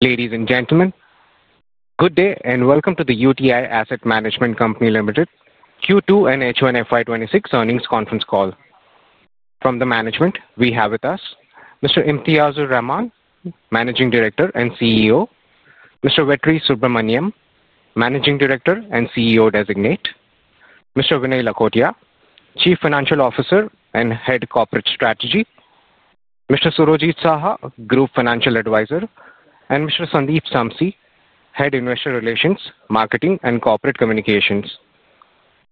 Ladies and gentlemen, good day and welcome to the UTI Asset Management Company Limited's Q2 and H1FY 2026 earnings conference call. From the management, we have with us Mr. Imtaiyazur Rahman, Managing Director and CEO; Mr. Vetri Subramaniam, Managing Director and CEO Designate; Mr. Vinay Lakotia, Chief Financial Officer and Head Corporate Strategy; Mr. Surojit Saha, Group Financial Advisor; and Mr. Sandeep Samsi, Head of Investor Relations, Marketing, and Corporate Communications.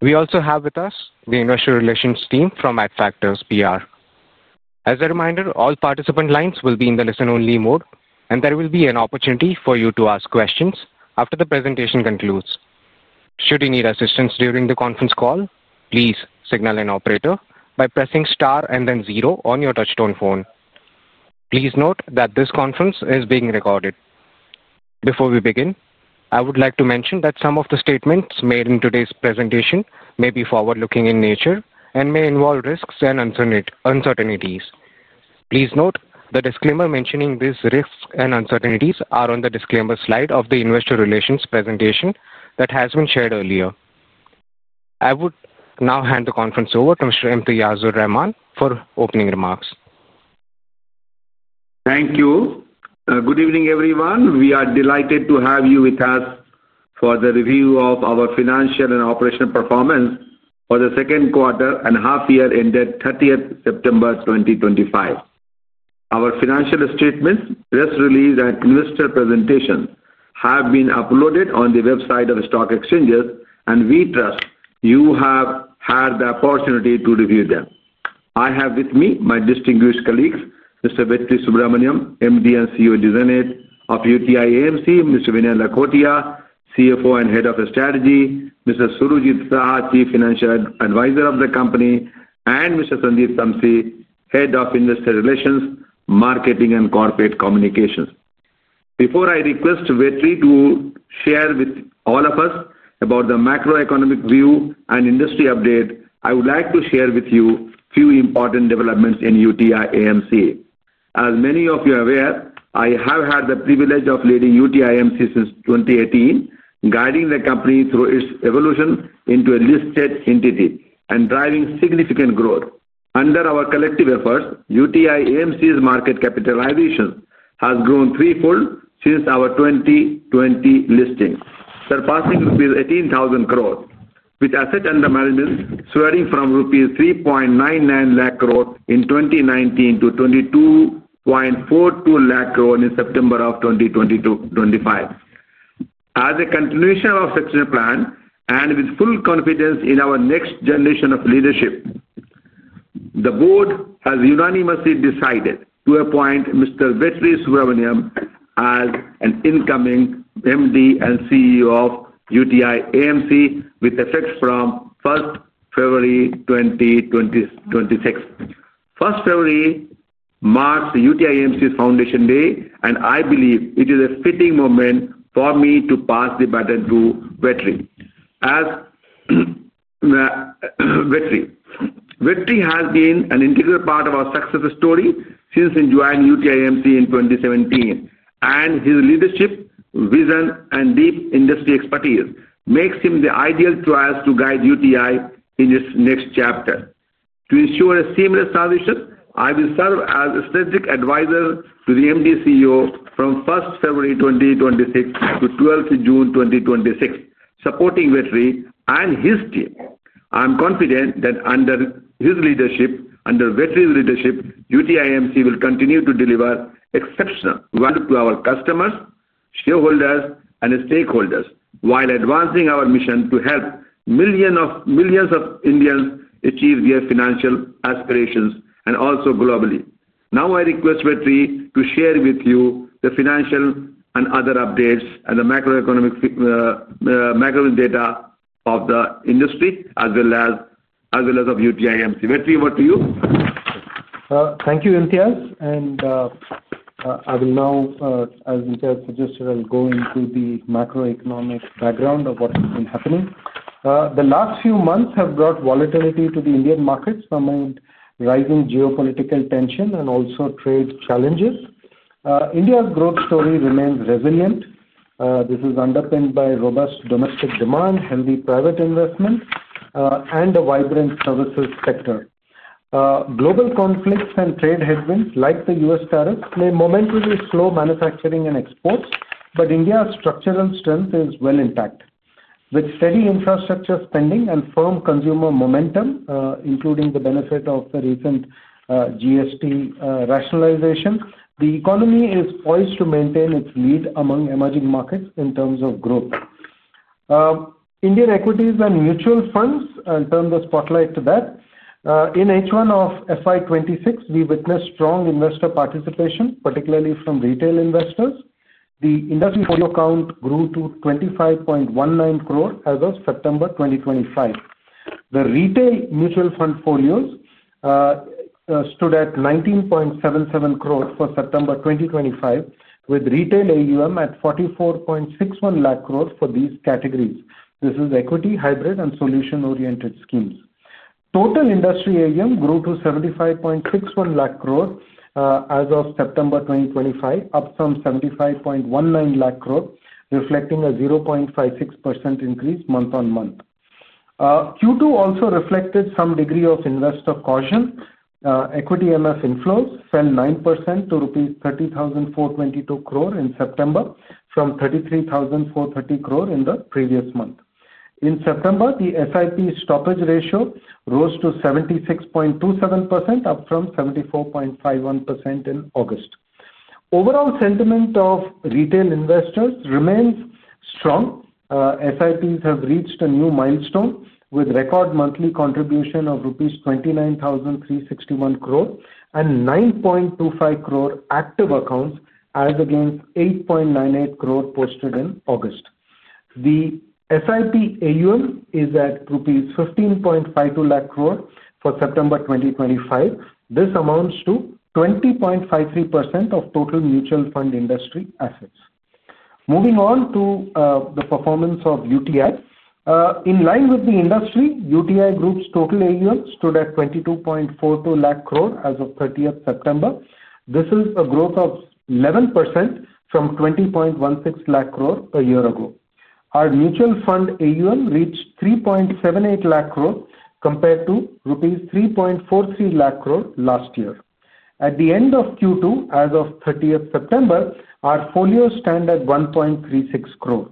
We also have with us the Investor Relations team from @FactorsPR. As a reminder, all participant lines will be in the listen-only mode, and there will be an opportunity for you to ask questions after the presentation concludes. Should you need assistance during the conference call, please signal an operator by pressing star and then zero on your touchtone phone. Please note that this conference is being recorded. Before we begin, I would like to mention that some of the statements made in today's presentation may be forward-looking in nature and may involve risks and uncertainties. Please note the disclaimer mentioning these risks and uncertainties is on the disclaimer slide of the Investor Relations presentation that has been shared earlier. I would now hand the conference over to Mr. Imtaiyazur Rahman for opening remarks. Thank you. Good evening, everyone. We are delighted to have you with us for the review of our financial and operational performance for the second quarter and half-year ended 30th September 2025. Our financial statements just released and investor presentation have been uploaded on the website of the stock exchanges, and we trust you have had the opportunity to review them. I have with me my distinguished colleagues, Mr. Vetri Subramaniam, MD and CEO Designate of UTI AMC; Mr. Vinay Lakhotia, CFO and Head of Strategy; Mr. Surojit Saha, Chief Financial Advisor of the company; and Mr. Sandeep Samsi, Head of Investor Relations, Marketing, and Corporate Communications. Before I request Vetri to share with all of us about the macroeconomic view and industry update, I would like to share with you a few important developments in UTI AMC. As many of you are aware, I have had the privilege of leading UTI AMC since 2018, guiding the company through its evolution into a listed entity and driving significant growth. Under our collective efforts, UTI AMC's market capitalization has grown threefold since our 2020 listing, surpassing rupees 18,000 crore, with assets under management soaring from rupees 3.99 lakh crore in 2019 to 22.42 lakh crore in September 2025. As a continuation of our succession plan and with full confidence in our next generation of leadership, the board has unanimously decided to appoint Mr. Vetri Subramaniam as incoming MD and CEO of UTI AMC with effect from 1st February 2026. 1st February marks UTI AMC's foundation day, and I believe it is a fitting moment for me to pass the baton to Vetri. Vetri has been an integral part of our success story since joining UTI AMC in 2017, and his leadership, vision, and deep industry expertise make him the ideal choice to guide UTI in its next chapter. To ensure a seamless transition, I will serve as a strategic advisor to the MD/CEO from 1st February 2026 to 12th June 2026, supporting Vetri and his team. I am confident that under Vetri's leadership, UTI AMC will continue to deliver exceptional value to our customers, shareholders, and stakeholders while advancing our mission to help millions of Indians achieve their financial aspirations and also globally. Now I request Vetri to share with you the financial and other updates and the macroeconomic data of the industry as well as of UTI AMC. Vetri, over to you. Thank you, Imtaiyaz. I will now, as Imtaiyaz suggested, go into the macroeconomic background of what has been happening. The last few months have brought volatility to the Indian markets amid rising geopolitical tension and also trade challenges. India's growth story remains resilient. This is underpinned by robust domestic demand, healthy private investment, and a vibrant services sector. Global conflicts and trade headwinds, like the U.S. tariffs, may momentarily slow manufacturing and exports, but India's structural strength is well intact. With steady infrastructure spending and firm consumer momentum, including the benefit of the recent GST rationalization, the economy is poised to maintain its lead among emerging markets in terms of growth. Indian equities and mutual funds turn the spotlight to that. In H1 of FY 2026, we witnessed strong investor participation, particularly from retail investors. The industry portfolio count grew to 25.19 crore as of September 2025. The retail mutual fund portfolios stood at 19.77 crore for September 2025, with retail AUM at 44.61 lakh crore for these categories. This is equity, hybrid, and solution-oriented schemes. Total industry AUM grew to 75.61 lakh crore as of September 2025, up from 75.19 lakh crore, reflecting a 0.56% increase month on month. Q2 also reflected some degree of investor caution. Equity MF inflows fell 9% to rupees 30,422 crore in September, from 33,430 crore in the previous month. In September, the SIP stoppage ratio rose to 76.27%, up from 74.51% in August. Overall sentiment of retail investors remains strong. SIPs have reached a new milestone with record monthly contribution of rupees 29,361 crore and 9.25 crore active accounts as against 8.98 crore posted in August. The SIP AUM is at rupees 15.52 lakh crore for September 2025. This amounts to 20.53% of total mutual fund industry assets. Moving on to the performance of UTI. In line with the industry, UTI Group's total AUM stood at 22.42 lakh crore as of 30th September. This is a growth of 11% from 20.16 lakh crore a year ago. Our mutual fund AUM reached 3.78 lakh crore compared to rupees 3.43 lakh crore last year. At the end of Q2, as of 30th September, our portfolios stand at 1.36 crore.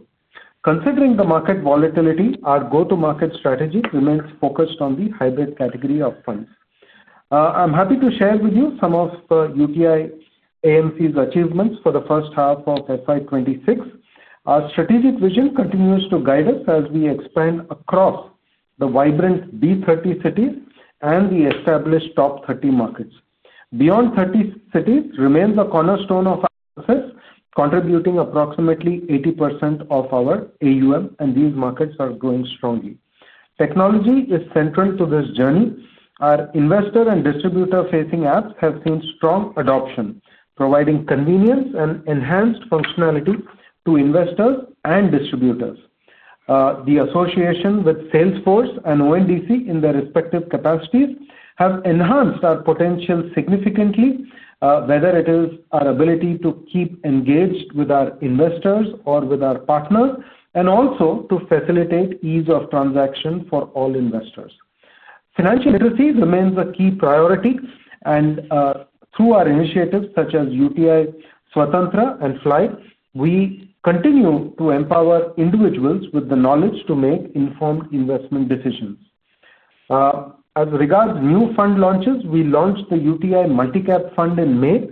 Considering the market volatility, our go-to-market strategy remains focused on the hybrid category of funds. I'm happy to share with you some of UTI AMC's achievements for the first half of FY 2026. Our strategic vision continues to guide us as we expand across the vibrant B30 cities and the established top 30 markets. B30 cities remain a cornerstone of assets, contributing approximately 80% of our AUM, and these markets are growing strongly. Technology is central to this journey. Our investor and distributor-facing apps have seen strong adoption, providing convenience and enhanced functionality to investors and distributors. The association with Salesforce and ONDC in their respective capacities has enhanced our potential significantly, whether it is our ability to keep engaged with our investors or with our partners, and also to facilitate ease of transaction for all investors. Financial literacy remains a key priority, and through our initiatives such as UTI Swatantra and FLIGHT, we continue to empower individuals with the knowledge to make informed investment decisions. As regards new fund launches, we launched the UTI Multicap Fund in May.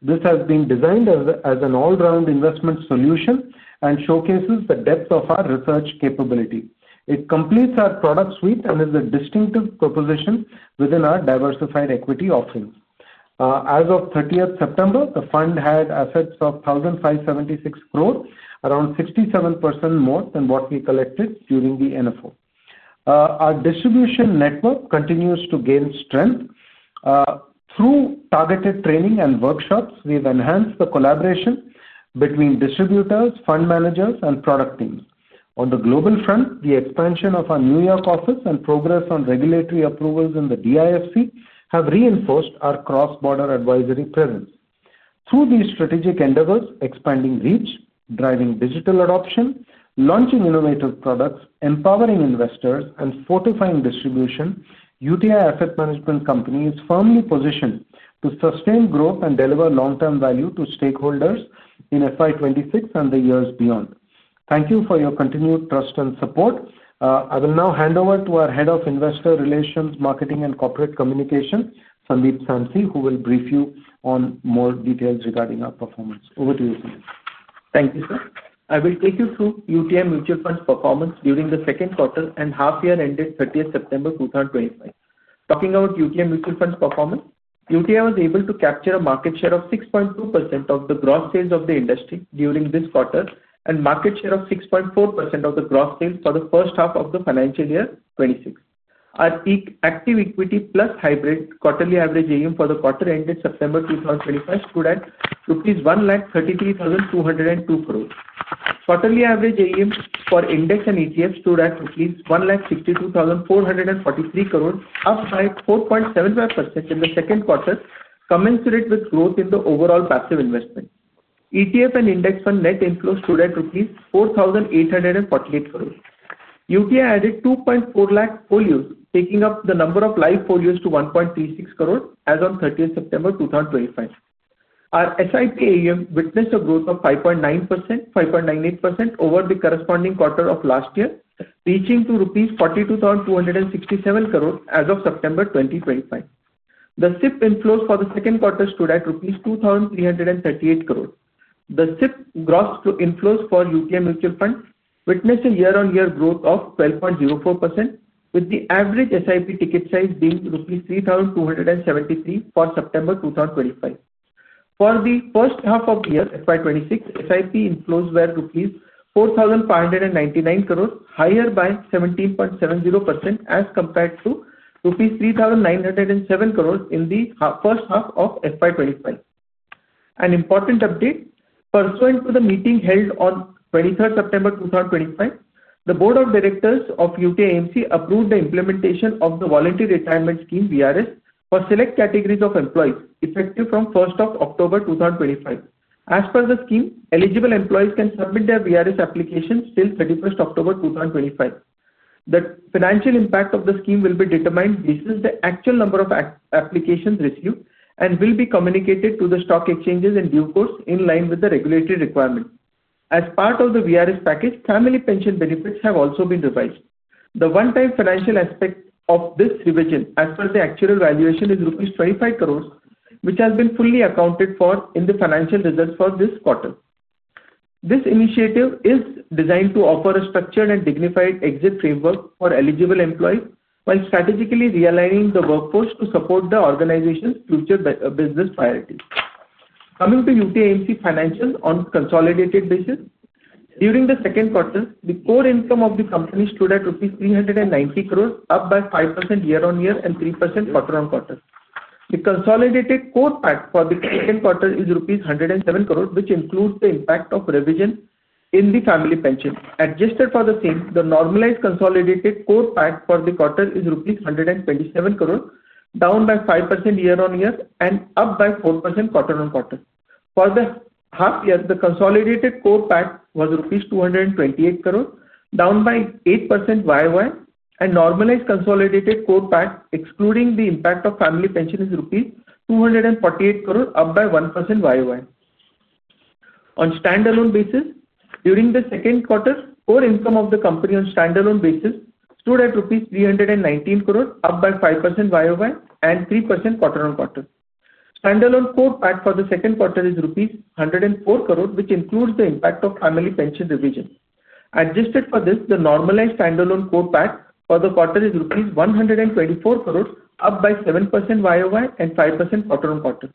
This has been designed as an all-round investment solution and showcases the depth of our research capability. It completes our product suite and is a distinctive proposition within our diversified equity offerings. As of 30th September, the fund had assets of 1,576 crore, around 67% more than what we collected during the NFO. Our distribution network continues to gain strength. Through targeted training and workshops, we've enhanced the collaboration between distributors, fund managers, and product teams. On the global front, the expansion of our New York office and progress on regulatory approvals in the DIFC have reinforced our cross-border advisory presence. Through these strategic endeavors, expanding reach, driving digital adoption, launching innovative products, empowering investors, and fortifying distribution, UTI Asset Management Company is firmly positioned to sustain growth and deliver long-term value to stakeholders in FY 2026 and the years beyond. Thank you for your continued trust and support. I will now hand over to our Head of Investor Relations, Marketing, and Corporate Communications, Sandeep Samsi, who will brief you on more details regarding our performance. Over to you, Sandeep. Thank you, sir. I will take you through UTI Mutual Fund's performance during the second quarter and half-year ended 30th September 2025. Talking about UTI Mutual Fund's performance, UTI was able to capture a market share of 6.2% of the gross sales of the industry during this quarter and a market share of 6.4% of the gross sales for the first half of the financial year 2026. Our active equity plus hybrid quarterly average AUM for the quarter ended September 2025 stood at 1,033,202 crore. Quarterly average AUM for index and ETF stood at 1,062,443 crore, up by 4.75% in the second quarter, commensurate with growth in the overall passive investment. ETF and index fund net inflows stood at rupees 4,848 crore. UTI added 2.4 lakh portfolios, taking up the number of live portfolios to 1.36 crore as of 30th September 2025. Our SIP AUM witnessed a growth of 5.9%, 5.98% over the corresponding quarter of last year, reaching to rupees 42,267 crore as of September 2025. The SIP inflows for the second quarter stood at rupees 2,338 crore. The SIP gross inflows for UTI Mutual Fund witnessed a year-on-year growth of 12.04%, with the average SIP ticket size being rupees 3,273 for September 2025. For the first half of the year FY 2026, SIP inflows were rupees 4,599 crore, higher by 17.70% as compared to rupees 3,907 crore in the first half of FY25. An important update, pursuant to the meeting held on 23rd September 2025, the Board of Directors of UTI AMC approved the implementation of the Voluntary Retirement Scheme, VRS, for select categories of employees effective from 1st of October 2025. As per the scheme, eligible employees can submit their VRS applications till 31st October 2025. The financial impact of the scheme will be determined based on the actual number of applications received and will be communicated to the stock exchanges in due course in line with the regulatory requirements. As part of the VRS package, family pension benefits have also been revised. The one-time financial aspect of this revision, as per the actual valuation, is rupees 25 crore, which has been fully accounted for in the financial results for this quarter. This initiative is designed to offer a structured and dignified exit framework for eligible employees while strategically realigning the workforce to support the organization's future business priorities. Coming to UTI AMC financials on a consolidated basis, during the second quarter, the core income of the company stood at INR rupees 390 crore, up by 5% year-on-year and 3% quarter-on-quarter. The consolidated core PAT for the second quarter is rupees 107 crore, which includes the impact of revision in the family pension. Adjusted for the same, the normalized consolidated core PAT for the quarter is rupees 127 crore, down by 5% year-on-year and up by 4% quarter-on-quarter. For the half-year, the consolidated core PAT was rupees 228 crore, down by 8% year-on-year, and normalized consolidated core PAT, excluding the impact of family pension, is rupees 248 crore, up by 1% year-on-year. On a standalone basis, during the second quarter, core income of the company on a standalone basis stood at rupees 319 crore, up by 5% year-on-year and 3% quarter-on-quarter. Standalone core PAT for the second quarter is rupees 104 crore, which includes the impact of family pension revision. Adjusted for this, the normalized standalone core PAT for the quarter is rupees 124 crore, up by 7% year-on-year and 5% quarter-on-quarter.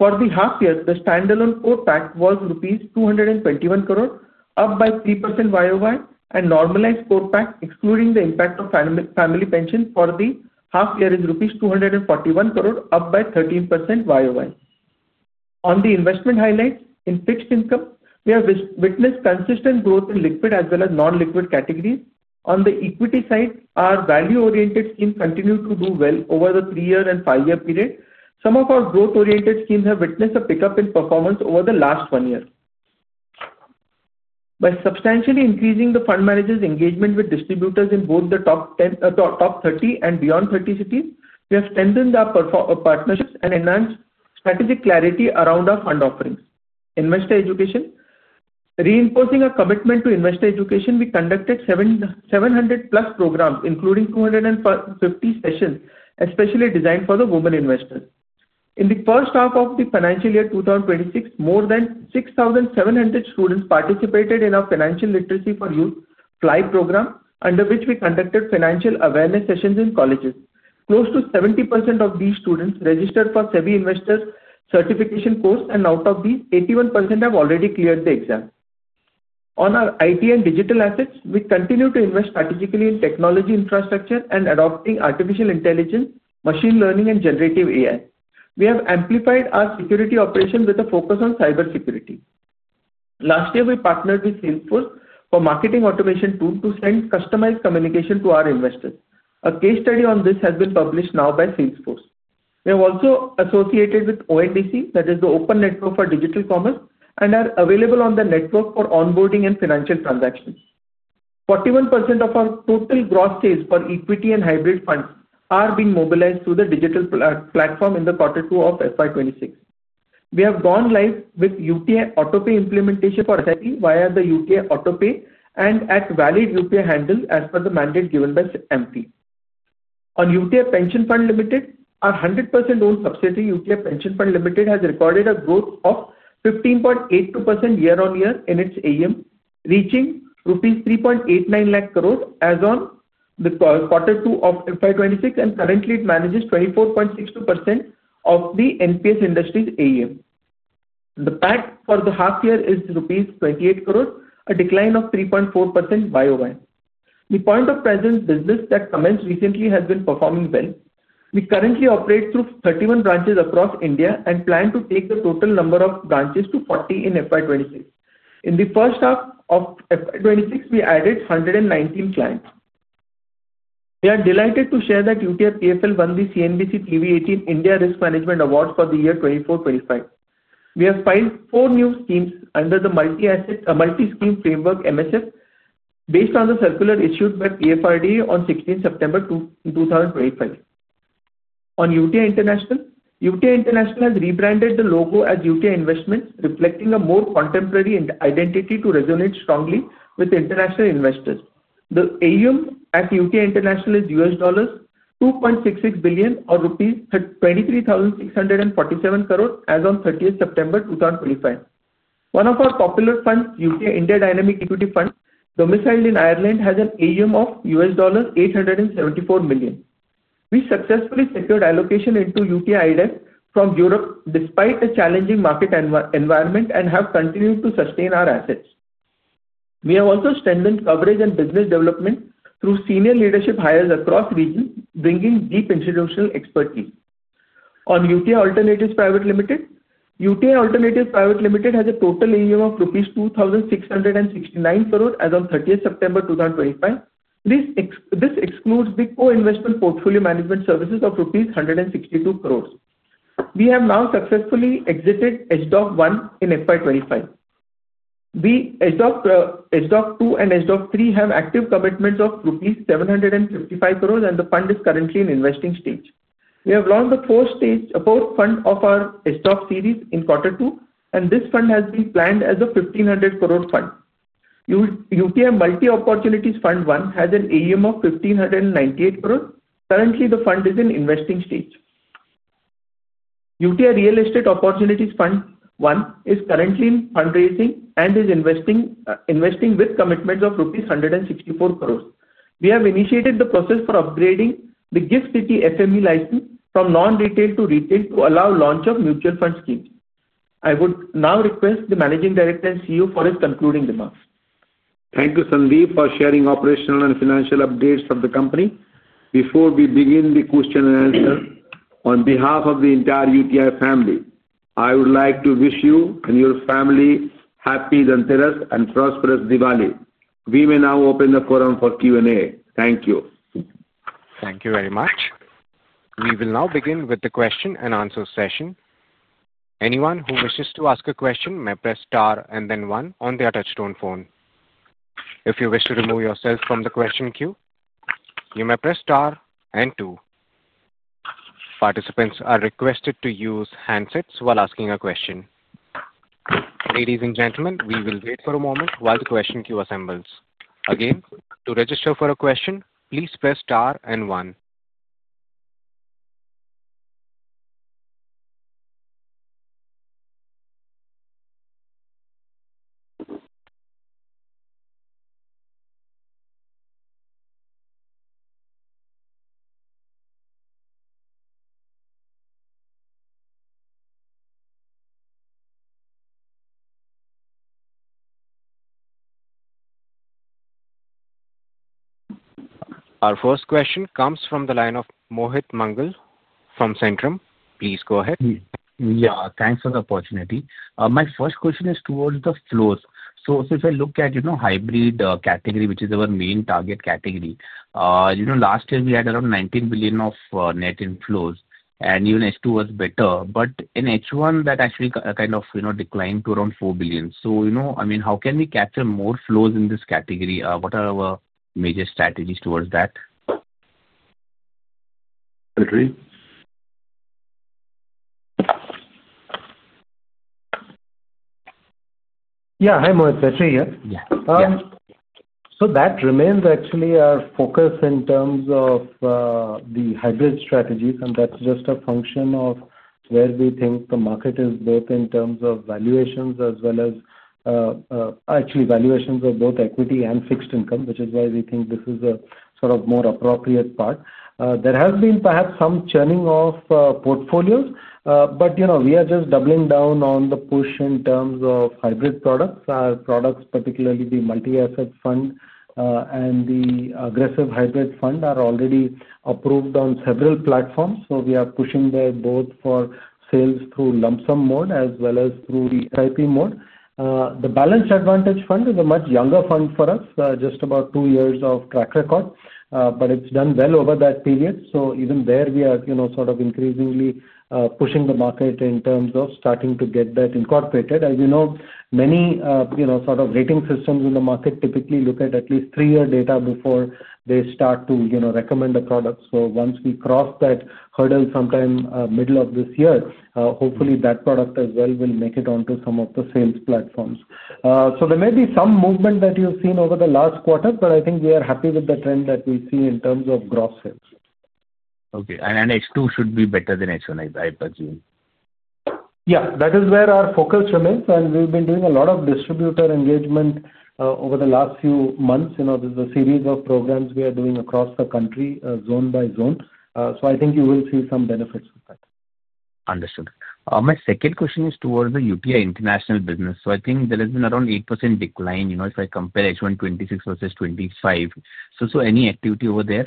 For the half-year, the standalone core PAT was rupees 221 crore, up by 3% year-on-year, and normalized core PAT, excluding the impact of family pension for the half-year, is rupees 241 crore, up by 13% year-on-year. On the investment highlights in fixed income, we have witnessed consistent growth in liquid as well as non-liquid categories. On the equity side, our value-oriented scheme continued to do well over the three-year and five-year period. Some of our growth-oriented schemes have witnessed a pickup in performance over the last one year. By substantially increasing the fund managers' engagement with distributors in both the top 30 and B30 cities, we have strengthened our partnerships and enhanced strategic clarity around our fund offerings. Reinforcing our commitment to investor education, we conducted 700-plus programs, including 250 sessions especially designed for the women investors. In the first half of the financial year 2026, more than 6,700 students participated in our Financial Literacy for Youth FLIGHT program, under which we conducted financial awareness sessions in colleges. Close to 70% of these students registered for the SEBI Investors Certification course, and out of these, 81% have already cleared the exam. On our IT and digital assets, we continue to invest strategically in technology infrastructure and adopting artificial intelligence, machine learning, and generative AI. We have amplified our security operations with a focus on cybersecurity. Last year, we partnered with Salesforce for marketing automation tools to send customized communication to our investors. A case study on this has been published now by Salesforce. We have also associated with ONDC, that is the Open Network for Digital Commerce, and are available on the network for onboarding and financial transactions. 41% of our total gross sales for equity and hybrid funds are being mobilized through the digital platform in the quarter two of FY 2026. We have gone live with UTI Auto Pay implementation for SEBI via the UTI Auto Pay and at valid UPI handles as per the mandate given by MT. On UTI Pension Fund Limited, our 100% owned subsidiary UTI Pension Fund Limited has recorded a growth of 15.82% year-on-year in its AUM, reaching rupees 3.89 lakh crore as on the quarter two of FY 2026, and currently, it manages 24.62% of the NPS industry's AUM. The PAT for the half-year is rupees 28 crore, a decline of 3.4% year-on-year. The point of presence business that commenced recently has been performing well. We currently operate through 31 branches across India and plan to take the total number of branches to 40 in FY 2026. In the first half of FY 2026, we added 119 clients. We are delighted to share that UTI PFL won the CNBC TV18 India Risk Management Award for the year 2024/2025. We have filed four new schemes under the Multi-Scheme Framework (MSF) based on the circular issued by PFRDA on 16 September 2025. On UTI International, UTI International has rebranded the logo as UTI Investments, reflecting a more contemporary identity to resonate strongly with international investors. The AUM at UTI International is $2.66 billion or rupees 23,647 crore as on 30th September 2025. One of our popular funds, UTI India Dynamic Equity Fund, domiciled in Ireland, has an AUM of $874 million. We successfully secured allocation into UTI IDEF from Europe despite a challenging market environment and have continued to sustain our assets. We have also strengthened coverage and business development through senior leadership hires across regions, bringing deep institutional expertise. On UTI Alternatives Private Limited, UTI Alternatives Private Limited has a total AUM of rupees 2,669 crore as on 30th September 2025. This excludes the core investment portfolio management services of rupees 162 crore. We have now successfully exited HDOC 1 in FY25. The HDOC 2 and HDOC 3 have active commitments of rupees 755 crore, and the fund is currently in investing stage. We have launched the fourth fund of our HDOC series in quarter two, and this fund has been planned as an 1,500 crore fund. UTI Multi-Opportunities Fund 1 has an AUM of 1,598 crore. Currently, the fund is in investing stage. UTI Real Estate Opportunities Fund 1 is currently in fundraising and is investing with commitments of rupees 164 crore. We have initiated the process for upgrading the GIFT City FME license from non-retail to retail to allow launch of mutual fund schemes. I would now request the Managing Director and CEO for his concluding remarks. Thank you, Sandeep, for sharing operational and financial updates of the company. Before we begin the question and answer, on behalf of the entire UTI family, I would like to wish you and your family happy Dhanteras and a prosperous Diwali. We may now open the forum for Q&A. Thank you. Thank you very much. We will now begin with the question and answer session. Anyone who wishes to ask a question may press star and then one on their touchtone phone. If you wish to remove yourself from the question queue, you may press star and two. Participants are requested to use handsets while asking a question. Ladies and gentlemen, we will wait for a moment while the question queue assembles. Again, to register for a question, please press star and one. Our first question comes from the line of Mohit Mangal from Centrum. Please go ahead. Yeah, thanks for the opportunity. My first question is towards the flows. If I look at, you know, hybrid category, which is our main target category, last year we had around 19 billion of net inflows and even H2 was better. In H1, that actually kind of declined to around 4 billion. How can we capture more flows in this category? What are our major strategies towards that? Yeah, hi Mohit. Vetri here. Yeah. That remains actually our focus in terms of the hybrid strategies, and that's just a function of where we think the market is both in terms of valuations as well as, actually, valuations of both equity and fixed income, which is why we think this is a sort of more appropriate part. There has been perhaps some churning of portfolios, but we are just doubling down on the push in terms of hybrid products. Our products, particularly the Multi-Asset Fund and the Aggressive Hybrid Fund, are already approved on several platforms. We are pushing there both for sales through lump sum mode as well as through the SIP mode. The Balanced Advantage Fund is a much younger fund for us, just about two years of track record, but it's done well over that period. Even there, we are increasingly pushing the market in terms of starting to get that incorporated. As you know, many rating systems in the market typically look at at least three-year data before they start to recommend a product. Once we cross that hurdle sometime in the middle of this year, hopefully that product as well will make it onto some of the sales platforms. There may be some movement that you've seen over the last quarter, but I think we are happy with the trend that we see in terms of gross sales. Okay. H2 should be better than H1, I presume. Yeah, that is where our focus remains, and we've been doing a lot of distributor engagement over the last few months. There's a series of programs we are doing across the country, zone by zone. I think you will see some benefits of that. Understood. My second question is towards the UTI International business. I think there has been around 8% decline, you know, if I compare H1 2026 versus 2025. Any activity over there?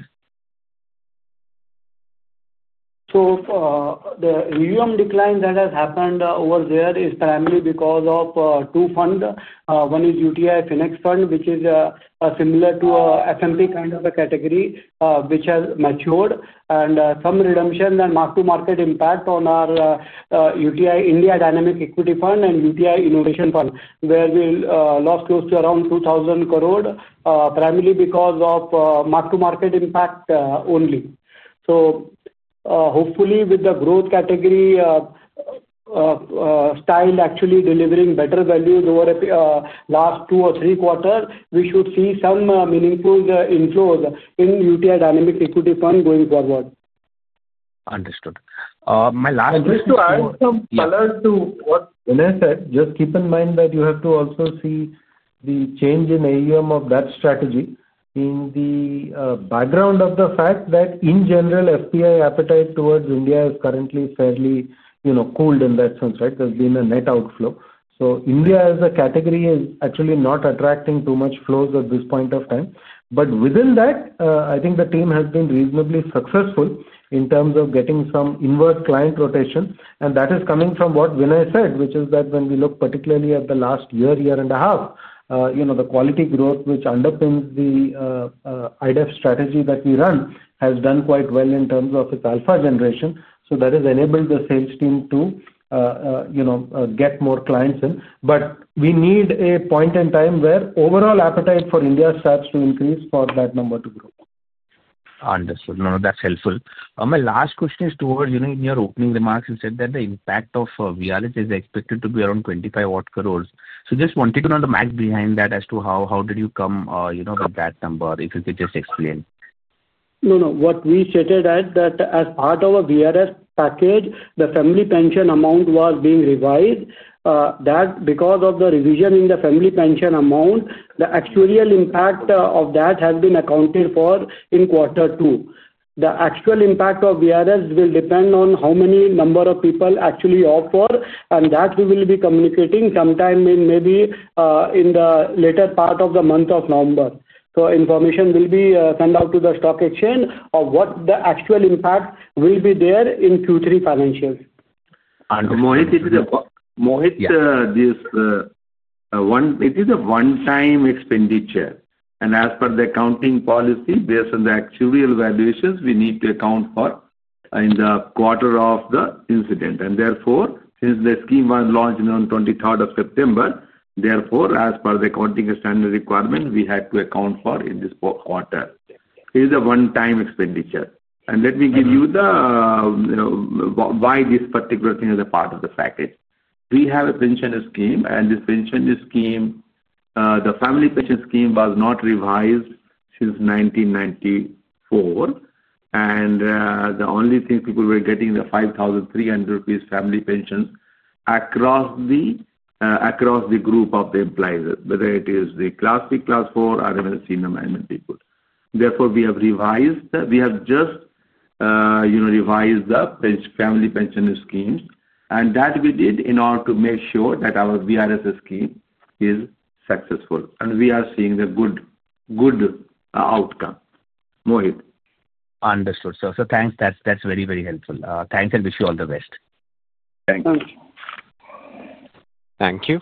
The revenue decline that has happened over there is primarily because of two funds. One is UTI Finex Fund, which is similar to an FMP kind of a category, which has matured, and some redemption and mark-to-market impact on our UTI India Dynamic Equity Fund and UTI Innovation Fund, where we lost close to around 2,000 crore, primarily because of mark-to-market impact only. Hopefully, with the growth category style actually delivering better values over the last two or three quarters, we should see some meaningful inflows in UTI Dynamic Equity Fund going forward. Understood. My last question. To add some color to what Vinay said, keep in mind that you have to also see the change in AUM of that strategy in the background of the fact that in general, FPI appetite towards India is currently fairly, you know, cooled in that sense, right? There's been a net outflow. India as a category is actually not attracting too much flows at this point of time. Within that, I think the team has been reasonably successful in terms of getting some inverse client rotation. That is coming from what Vinay said, which is that when we look particularly at the last year, year and a half, the quality growth which underpins the IDEF strategy that we run has done quite well in terms of its alpha generation. That has enabled the sales team to get more clients in. We need a point in time where overall appetite for India starts to increase for that number to grow. Understood. No, no, that's helpful. My last question is towards, you know, in your opening remarks, you said that the impact of VRS is expected to be around 25 crore. Just wanted to know the math behind that as to how did you come, you know, with that number, if you could just explain. No, no. What we shifted at that as part of a VRS package, the family pension amount was being revised. That, because of the revision in the family pension amount, the actuarial impact of that has been accounted for in quarter two. The actual impact of VRS will depend on how many number of people actually offer, and that we will be communicating sometime in maybe, in the later part of the month of November. Information will be sent out to the stock exchange of what the actual impact will be there in Q3 financials. Mohit, this is a one-time expenditure. As per the accounting policy, based on the actuarial valuations, we need to account for it in the quarter of the incident. Therefore, since the scheme was launched on 23rd of September, as per the accounting standard requirement, we had to account for it in this quarter. It is a one-time expenditure. Let me give you the reason why this particular thing is a part of the package. We have a pension scheme, and this pension scheme, the family pension scheme, was not revised since 1994. The only thing people were getting was 5,300 rupees family pension across the group of the employers, whether it is the Class 3, Class 4. I haven't seen them as many people. Therefore, we have just revised the family pension schemes. We did that in order to make sure that our Voluntary Retirement Scheme (VRS) is successful. We are seeing a good outcome, Mohit. Understood. Thanks. That's very, very helpful. Thanks and wish you all the best. Thanks. Thank you.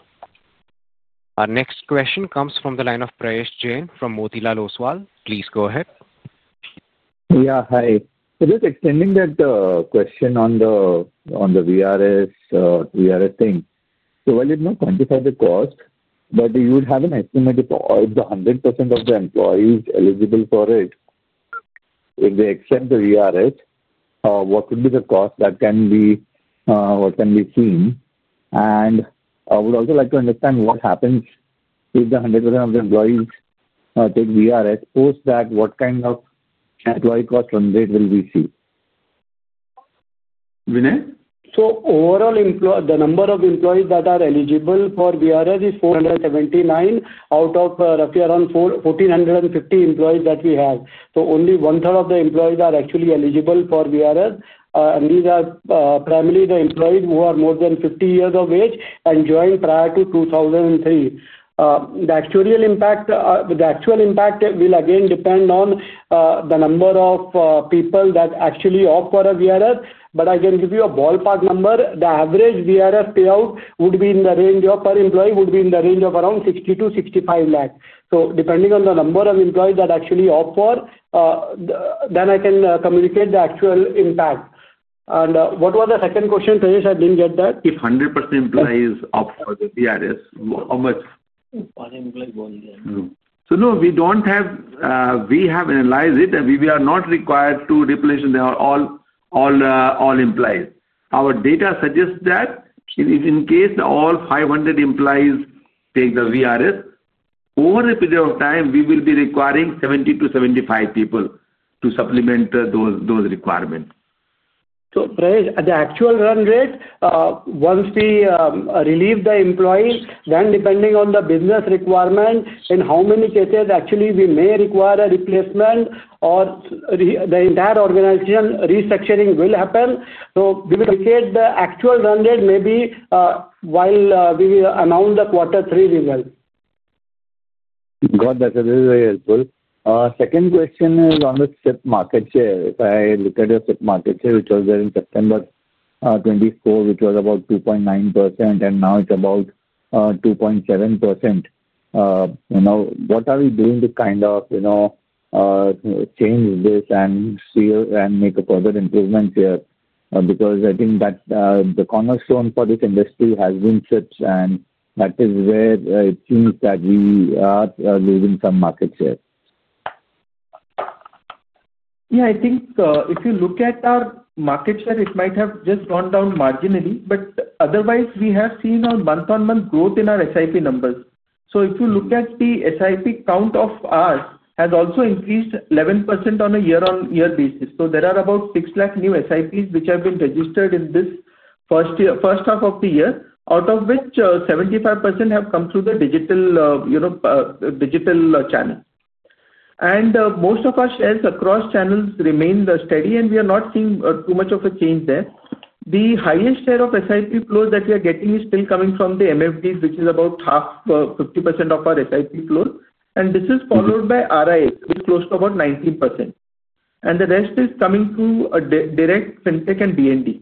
Our next question comes from the line of Prayesh Jain from Motilal Oswal. Please go ahead. Yeah, hi. Just extending that question on the VRS thing. While you've not quantified the cost, you would have an estimate if 100% of the employees eligible for it accept the VRS. What would be the cost that can be seen? I would also like to understand what happens if 100% of the employees take VRS. Post that, what kind of employee cost run rate will we see? Overall, the number of employees that are eligible for VRS is 479 out of roughly around 1,450 employees that we have. Only one-third of the employees are actually eligible for VRS. These are primarily the employees who are more than 50 years of age and joined prior to 2003. The actual impact will again depend on the number of people that actually opt for a VRS. I can give you a ballpark number. The average VRS payout per employee would be in the range of around 6,000,000 to 6,500,000. Depending on the number of employees that actually opt for it, I can communicate the actual impact. What was the second question, Prayesh? I didn't get that. If 100% employees opt for the VRS, how much? No, we have analyzed it. We are not required to replenish all employees. Our data suggests that if in case all 500 employees take the VRS, over a period of time, we will be requiring 70 to 75 people to supplement those requirements. Prayesh, the actual run rate, once we relieve the employees, then depending on the business requirement and how many cases actually we may require a replacement or the entire organization restructuring will happen. We will get the actual run rate maybe while we will amount the quarter three result. Got that. That's very, very helpful. Second question is on the SIP market share. If I look at your SIP market share, which was there in September 2024, which was about 2.9%, and now it's about 2.7%. What are we doing to kind of change this and see and make further improvements here? Because I think that the cornerstone for this industry has been SIPs, and that is where it seems that we are losing some market share. Yeah, I think if you look at our market share, it might have just gone down marginally. Otherwise, we have seen our month-on-month growth in our SIP numbers. If you look at the SIP count of us, it has also increased 11% on a year-on-year basis. There are about 600,000 new SIPs, which have been registered in this first half of the year, out of which 75% have come through the digital channel. Most of our shares across channels remain steady, and we are not seeing too much of a change there. The highest share of SIP flows that we are getting is still coming from the MFDs, which is about half, 50% of our SIP flows. This is followed by RIA, which is close to about 19%. The rest is coming through direct fintech and DND.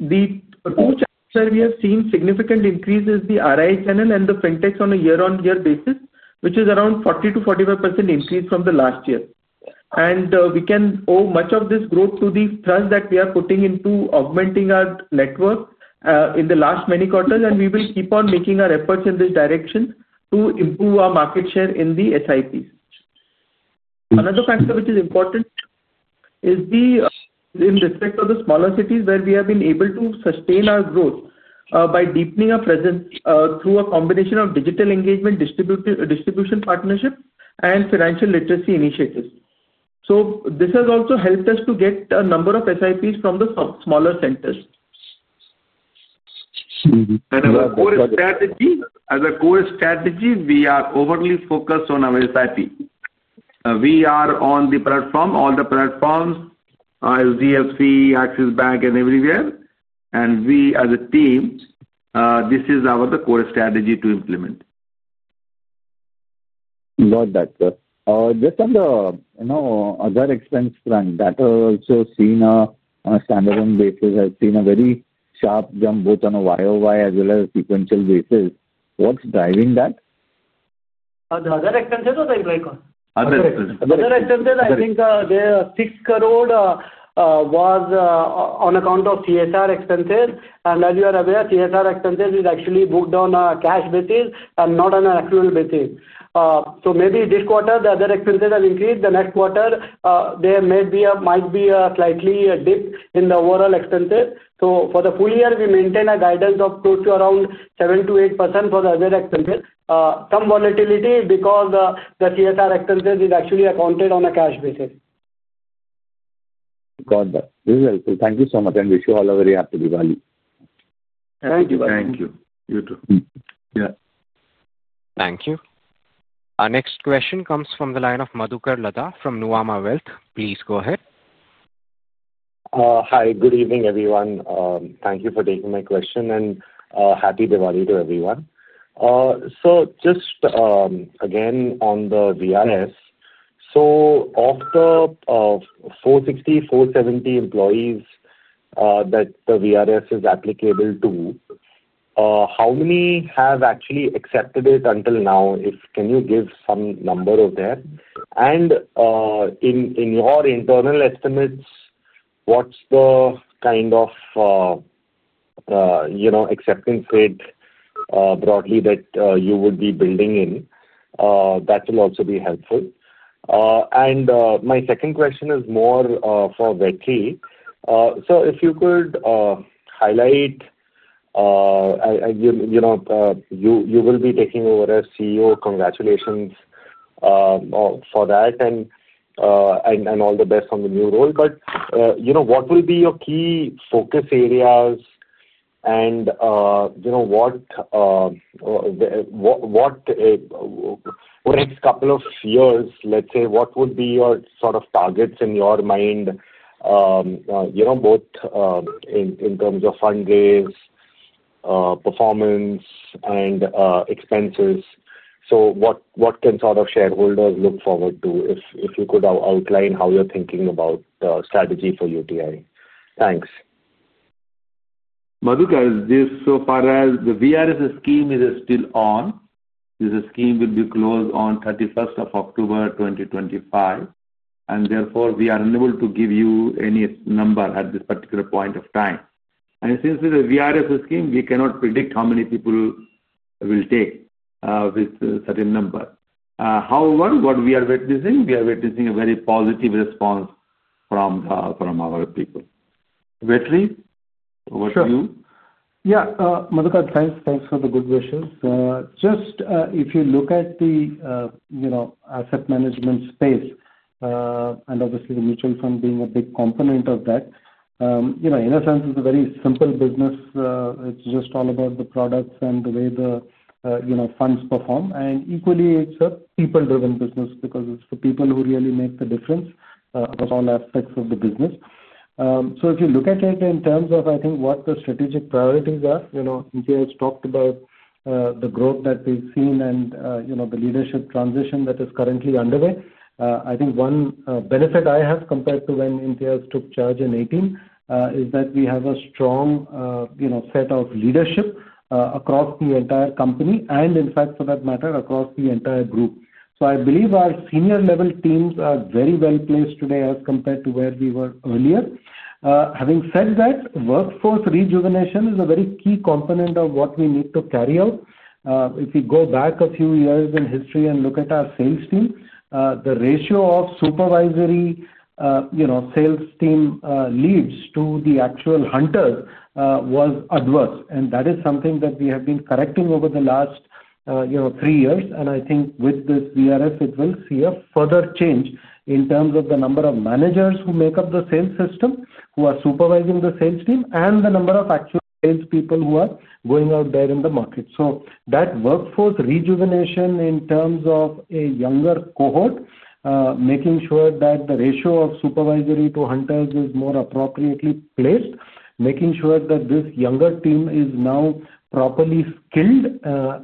The two channels where we have seen significant increases are the RIA channel and the fintechs on a year-on-year basis, which is around 40% to 45% increase from last year. We can owe much of this growth to the trust that we are putting into augmenting our network in the last many quarters, and we will keep on making our efforts in this direction to improve our market share in the SIPs. Another factor which is important is, in respect of the smaller cities where we have been able to sustain our growth by deepening our presence through a combination of digital engagement, distribution partnerships, and financial literacy initiatives. This has also helped us to get a number of SIPs from the smaller centers. As a core strategy, we are overly focused on our SIP. We are on the platform, all the platforms, as DSP, Axis Bank, and everywhere. We as a team, this is our core strategy to implement. Got that, sir. Just on the other expense front, that has also seen a standard on basis. I've seen a very sharp jump both on a YOY as well as a sequential basis. What's driving that? The other expenses or the employee cost? Other expenses. The other expenses, I think the 6 crore was on account of CSR expenses. As you are aware, CSR expenses are actually booked on a cash basis and not on an accrual basis. Maybe this quarter, the other expenses have increased. The next quarter, there might be a slight dip in the overall expenses. For the full year, we maintain a guidance of close to around 7% to 8% for the other expenses. There may be some volatility because the CSR expenses are actually accounted on a cash basis. Got that. This is helpful. Thank you so much. Wish you all a very happy Diwali. Thank you. Thank you. You too. Thank you. Our next question comes from the line of Madhukar Ladha from Nuvama Wealth. Please go ahead. Hi. Good evening, everyone. Thank you for taking my question and happy Diwali to everyone. Just again on the Voluntary Retirement Scheme, of the 460, 470 employees that the Voluntary Retirement Scheme is applicable to, how many have actually accepted it until now? If you can give some number of them, and in your internal estimates, what's the kind of acceptance rate broadly that you would be building in? That will also be helpful. My second question is more for Vetri. If you could highlight, you will be taking over as CEO. Congratulations for that and all the best on the new role. What will be your key focus areas and what next couple of years, let's say, what would be your sort of targets in your mind, both in terms of fund raise, performance, and expenses? What can shareholders look forward to if you could outline how you're thinking about the strategy for UTI? Thanks. Madhukar, so far as the VRS scheme is still on, this scheme will be closed on 31st of October 2025. Therefore, we are unable to give you any number at this particular point of time. Since it's a VRS scheme, we cannot predict how many people will take with a certain number. However, what we are witnessing, we are witnessing a very positive response from our people. Vetri, over to you. Yeah. Madhukar, thanks for the good wishes. If you look at the asset management space, and obviously the mutual fund being a big component of that, in a sense, it's a very simple business. It's just all about the products and the way the funds perform. Equally, it's a people-driven business because it's the people who really make the difference across all aspects of the business. If you look at it in terms of what the strategic priorities are, India has talked about the growth that we've seen and the leadership transition that is currently underway. I think one benefit I have compared to when Imtaiyazur Rahman took charge in 2018 is that we have a strong set of leadership across the entire company and, in fact, for that matter, across the entire group. I believe our senior-level teams are very well placed today as compared to where we were earlier. Having said that, workforce rejuvenation is a very key component of what we need to carry out. If we go back a few years in history and look at our sales team, the ratio of supervisory sales team leads to the actual hunters was adverse. That is something that we have been correcting over the last three years. I think with this Voluntary Retirement Scheme, it will see a further change in terms of the number of managers who make up the sales system, who are supervising the sales team, and the number of actual salespeople who are going out there in the market. That workforce rejuvenation in terms of a younger cohort, making sure that the ratio of supervisory to hunters is more appropriately placed, making sure that this younger team is now properly skilled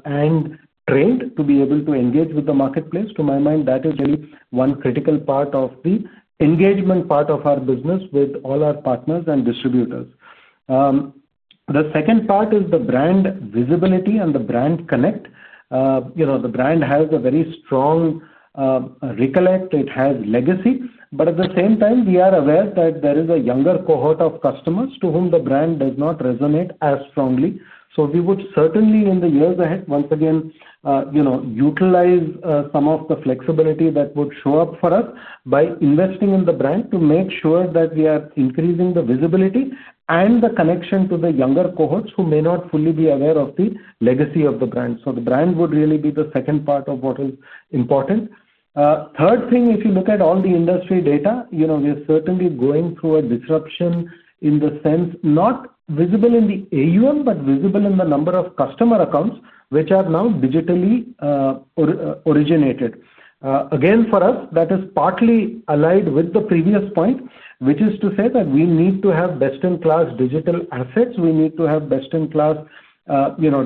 and trained to be able to engage with the marketplace. To my mind, that is really one critical part of the engagement part of our business with all our partners and distributors. The second part is the brand visibility and the brand connect. The brand has a very strong recollect. It has legacy. At the same time, we are aware that there is a younger cohort of customers to whom the brand does not resonate as strongly. We would certainly, in the years ahead, once again utilize some of the flexibility that would show up for us by investing in the brand to make sure that we are increasing the visibility and the connection to the younger cohorts who may not fully be aware of the legacy of the brand. The brand would really be the second part of what is important. Third thing, if you look at all the industry data, we are certainly going through a disruption in the sense not visible in the AUM, but visible in the number of customer accounts, which are now digitally originated. For us, that is partly allied with the previous point, which is to say that we need to have best-in-class digital assets. We need to have best-in-class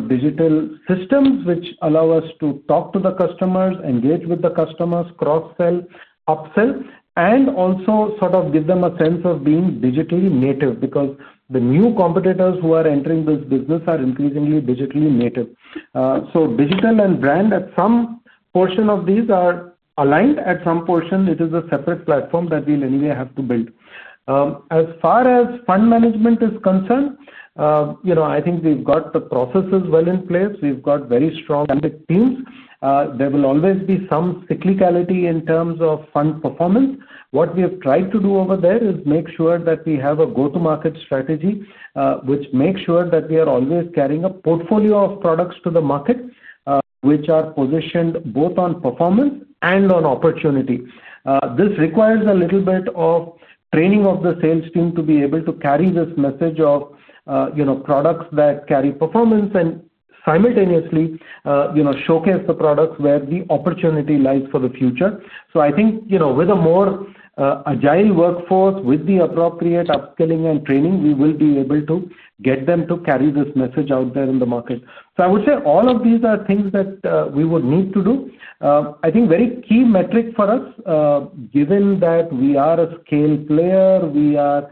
digital systems, which allow us to talk to the customers, engage with the customers, cross-sell, upsell, and also sort of give them a sense of being digitally native because the new competitors who are entering this business are increasingly digitally native. Digital and brand at some portion of these are aligned. At some portion, it is a separate platform that we'll anyway have to build. As far as fund management is concerned, I think we've got the processes well in place. We've got very strong teams. There will always be some cyclicality in terms of fund performance. What we have tried to do over there is make sure that we have a go-to-market strategy, which makes sure that we are always carrying a portfolio of products to the market, which are positioned both on performance and on opportunity. This requires a little bit of training of the sales team to be able to carry this message of products that carry performance and simultaneously showcase the products where the opportunity lies for the future. I think with a more agile workforce, with the appropriate upskilling and training, we will be able to get them to carry this message out there in the market. I would say all of these are things that we would need to do. I think a very key metric for us, given that we are a scale player, we are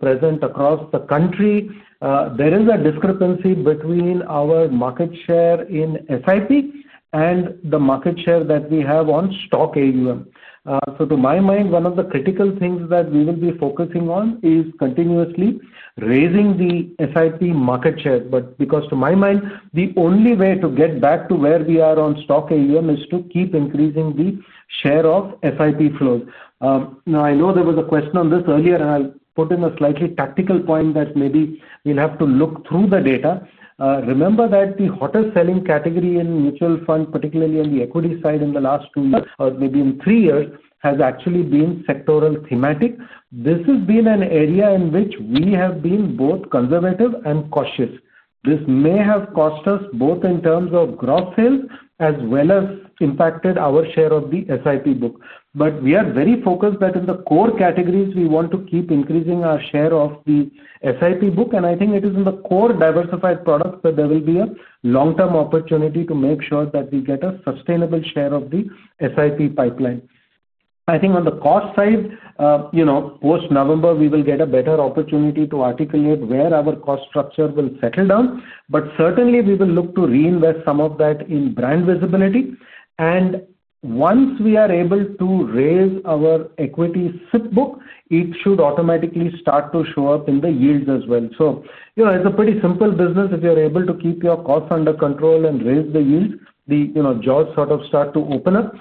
present across the country, there is a discrepancy between our market share in SIP and the market share that we have on stock AUM. To my mind, one of the critical things that we will be focusing on is continuously raising the SIP market share. To my mind, the only way to get back to where we are on stock AUM is to keep increasing the share of SIP flows. I know there was a question on this earlier, and I'll put in a slightly tactical point that maybe we'll have to look through the data. Remember that the hottest selling category in mutual funds, particularly on the equity side in the last two years or maybe in three years, has actually been sectoral thematic. This has been an area in which we have been both conservative and cautious. This may have cost us both in terms of gross sales as well as impacted our share of the SIP book. We are very focused that in the core categories, we want to keep increasing our share of the SIP book. I think it is in the core diversified products that there will be a long-term opportunity to make sure that we get a sustainable share of the SIP pipeline. I think on the cost side, post-November, we will get a better opportunity to articulate where our cost structure will settle down. Certainly, we will look to reinvest some of that in brand visibility. Once we are able to raise our equity SIP book, it should automatically start to show up in the yields as well. It is a pretty simple business. If you're able to keep your costs under control and raise the yields, the jaws sort of start to open up.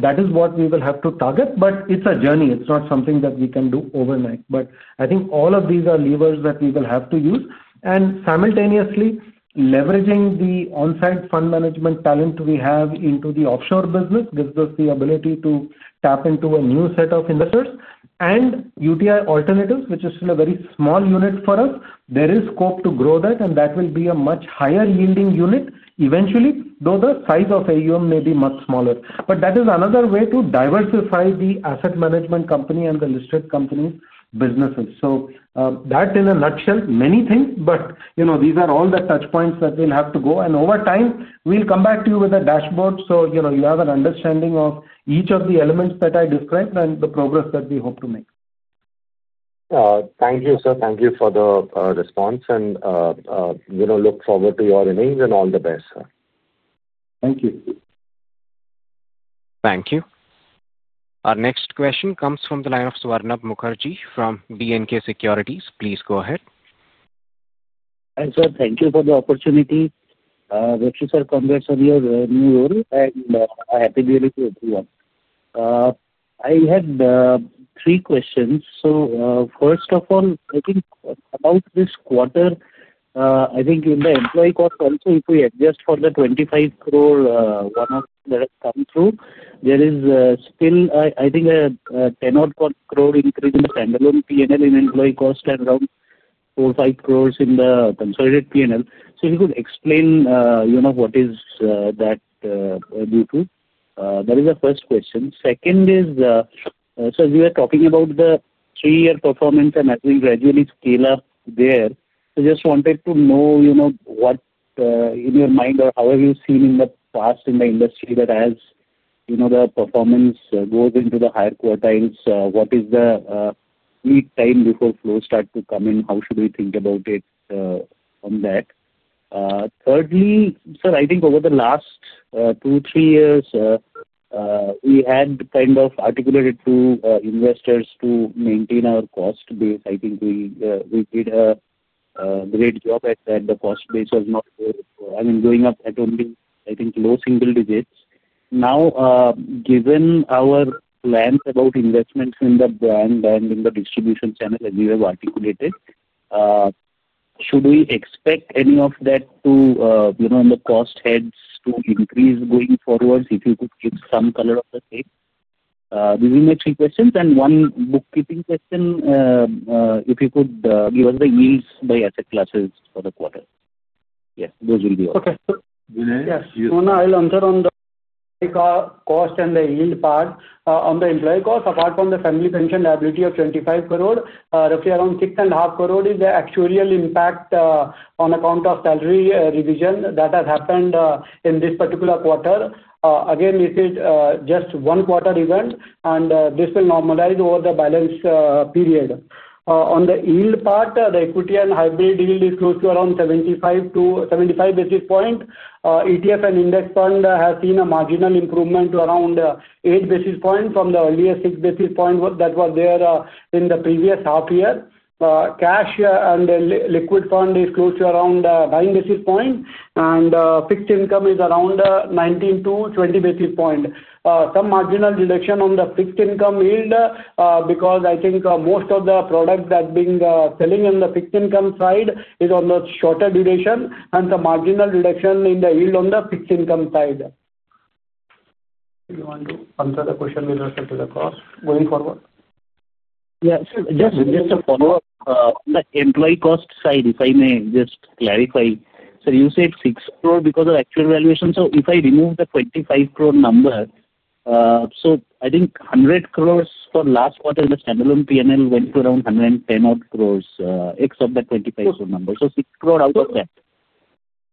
That is what we will have to target. It is a journey. It's not something that we can do overnight. I think all of these are levers that we will have to use. Simultaneously, leveraging the onsite fund management talent we have into the offshore business gives us the ability to tap into a new set of investors. UTI Alternatives, which is still a very small unit for us, there is scope to grow that. That will be a much higher yielding unit eventually, though the size of AUM may be much smaller. That is another way to diversify the asset management company and the listed company's businesses. In a nutshell, many things. These are all the touchpoints that we'll have to go. Over time, we'll come back to you with a dashboard. You have an understanding of each of the elements that I described and the progress that we hope to make. Thank you, sir. Thank you for the response. You know, look forward to your innings and all the best, sir. Thank you. Thank you. Our next question comes from the line of Svarnap Mukherjee from BNK Securities. Please go ahead. Sir, thank you for the opportunity. I wish you congrats on your new role and a happy Diwali to everyone. I had three questions. First of all, I think about this quarter, in the employee cost, also if we adjust for the 25 crore one-off that has come through, there is still, I think, a 10 crore increase in standalone P&L in employee cost and around 4 or 5 crore in the consolidated P&L. If you could explain what that is due to, that is the first question. Second, you were talking about the three-year performance and as we gradually scale up there. I just wanted to know, in your mind or how have you seen in the past in the industry that as the performance goes into the higher quartiles, what is the lead time before flows start to come in? How should we think about it on that? Thirdly, over the last two or three years, we had kind of articulated to investors to maintain our cost base. I think we did a great job at that. The cost base was not going up, only, I think, low single digits. Now, given our plans about investments in the brand and in the distribution channel, as you have articulated, should we expect any of that in the cost heads to increase going forward? If you could give some color on the page. These are my three questions. One bookkeeping question, if you could give us the yields by asset classes for the quarter. Yes, those will be all. Okay. Vinay? Yes. I'll answer on the cost and the yield part. On the employee cost, apart from the family pension liability of 25 crore, roughly around 6.5 crore is the actuarial impact on account of salary revision that has happened in this particular quarter. Again, we see it as just a one quarter event, and this will normalize over the balance period. On the yield part, the equity and hybrid yield is close to around 75 to 75 basis points. ETF and index fund has seen a marginal improvement to around 8 basis points from the earlier 6 basis points that were there in the previous half year. Cash and liquid fund is close to around 9 basis points, and fixed income is around 19 to 20 basis points. There is some marginal reduction on the fixed income yield because I think most of the products that are being sold on the fixed income side are on the shorter duration and some marginal reduction in the yield on the fixed income side. Do you want to answer the question with respect to the cost going forward? Yes. Just a follow-up. On the employee cost side, if I may just clarify, sir, you said 6 crore because of actual valuation. If I remove the 25 crore number, I think 100 crore for last quarter in the standalone P&L went to around 110 odd crore except the 25 crore number. 6 crore out of that.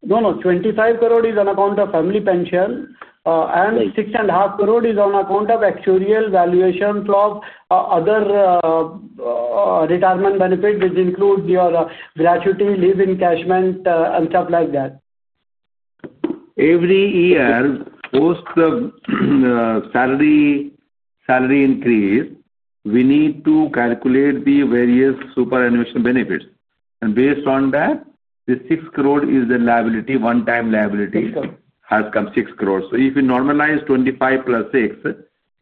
No, no. 25 crore is on account of family pension, and 6.5 crore is on account of actuarial valuation plus other retirement benefits, which includes your gratuity, leave encashment, and stuff like that. Every year, post the salary increase, we need to calculate the various superannuation benefits. Based on that, the 6 crore is the liability, one-time liability has come 6 crore. If we normalize 25 plus 6,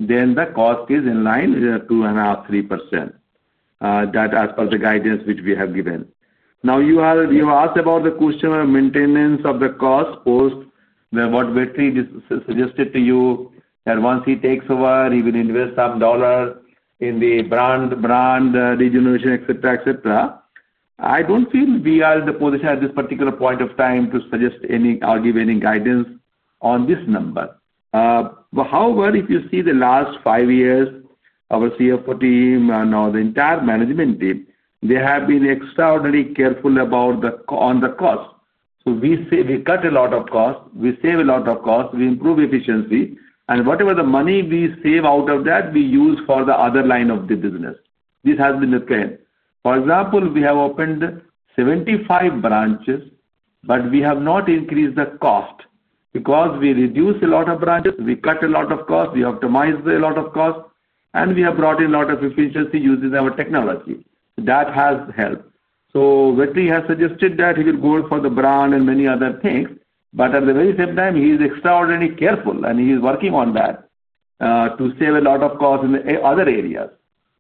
then the cost is in line with 2.5%, 3%. That is as per the guidance which we have given. You have asked about the question of maintenance of the cost post what Vetri suggested to you that once he takes over, he will invest some dollars in the brand, brand regeneration, etc. I don't feel we are in the position at this particular point of time to suggest any or give any guidance on this number. However, if you see the last five years, our CFO team and the entire management team, they have been extraordinarily careful about the cost. We say we cut a lot of cost, we save a lot of cost, we improve efficiency, and whatever the money we save out of that, we use for the other line of the business. This has been the trend. For example, we have opened 75 branches, but we have not increased the cost because we reduced a lot of branches, we cut a lot of cost, we optimized a lot of cost, and we have brought in a lot of efficiency using our technology. That has helped. Vetri has suggested that he will go for the brand and many other things. At the very same time, he's extraordinarily careful, and he's working on that to save a lot of costs in the other areas.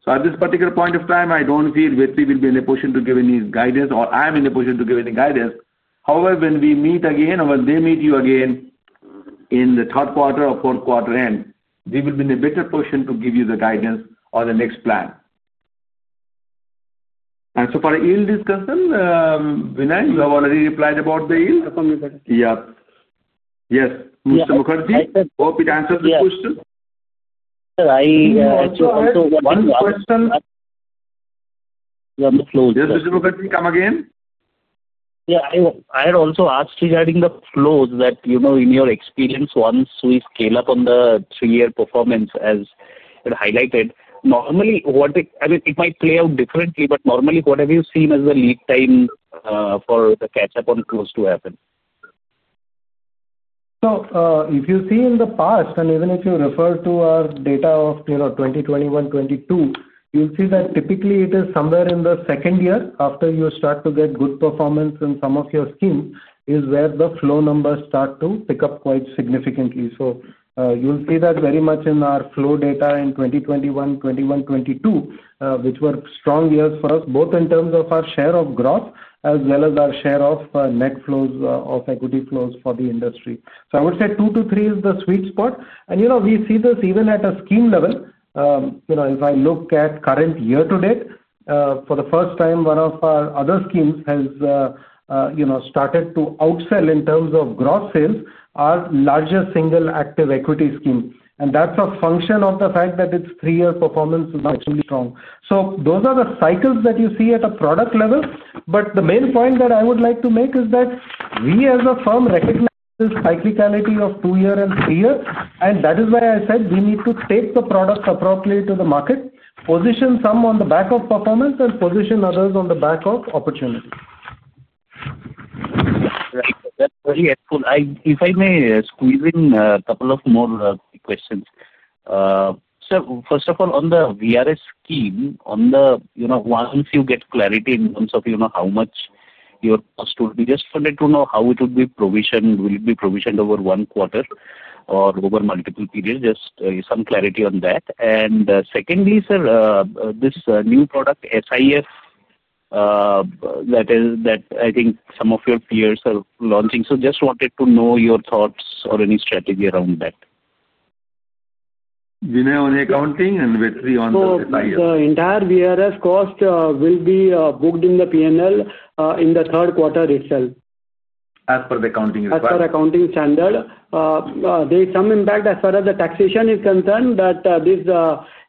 At this particular point of time, I don't feel Vetri will be in a position to give any guidance, or I'm in a position to give any guidance. However, when we meet again or when they meet you again in the third quarter or fourth quarter end, we will be in a better position to give you the guidance on the next plan. For the yield discussion, Vinay, you have already replied about the yield? Yes, sir. Yes. Mr. Mukherjee, hope it answered the question. Sir, I had also. One question. Yeah, the flows. Yes, Mr. Mukherjee, come again. Yeah, I had also asked regarding the flows that, you know, in your experience, once we scale up on the three-year performance as you had highlighted, normally what I mean, it might play out differently, but normally what have you seen as the lead time for the catch-up on flows to happen? If you see in the past, and even if you refer to our data of 2021, 2022, you'll see that typically it is somewhere in the second year after you start to get good performance in some of your schemes where the flow numbers start to pick up quite significantly. You'll see that very much in our flow data in 2021, 2022, which were strong years for us, both in terms of our share of growth as well as our share of net flows of equity flows for the industry. I would say two to three is the sweet spot. We see this even at a scheme level. If I look at current year to date, for the first time, one of our other schemes has started to outsell in terms of gross sales our largest single active equity scheme, and that's a function of the fact that its three-year performance is not really strong. Those are the cycles that you see at a product level. The main point that I would like to make is that we as a firm recognize this cyclicality of two-year and three-year. That is why I said we need to take the products appropriately to the market, position some on the back of performance, and position others on the back of opportunity. That's very helpful. If I may squeeze in a couple of more quick questions. Sir, first of all, on the Voluntary Retirement Scheme, once you get clarity in terms of how much your cost will be, just wanted to know how it would be provisioned. Will it be provisioned over one quarter or over multiple periods? Just some clarity on that. Secondly, sir, this new product, SIP, that I think some of your peers are launching. Just wanted to know your thoughts or any strategy around that. Vinay on accounting and Vetri on the SIP. The entire VRS cost will be booked in the P&L in the third quarter itself. As per the accounting requirement. As per accounting standard, there is some impact as far as the taxation is concerned that these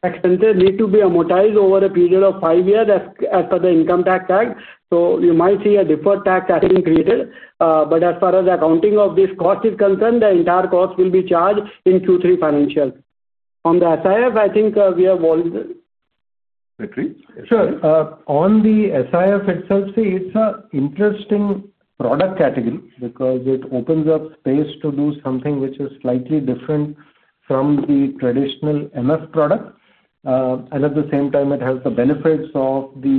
expenses need to be amortized over a period of five years as per the Income Tax Act. You might see a deferred tax has been created. As far as the accounting of this cost is concerned, the entire cost will be charged in Q3 financials. On the SIP, I think we have all. Vetri? Sure. On the SIP itself, see, it's an interesting product category because it opens up space to do something which is slightly different from the traditional mutual fund product. At the same time, it has the benefits of the